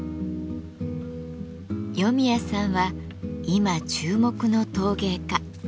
余宮さんは今注目の陶芸家。